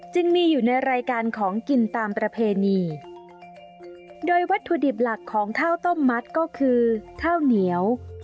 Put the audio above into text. จึงมีอยู่ในรายการของกินตามประเพณีโดยวัตถุดิบหลักของข้าวต้มมัดก็คือข้าวเหนียว